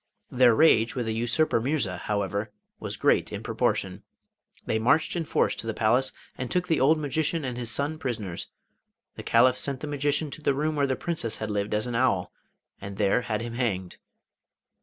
Their rage with the usurper Mirza, however, was great in proportion. They marched in force to the palace and took the old magician and his son prisoners. The Caliph sent the magician to the room where the Princess had lived as an owl, and there had him hanged.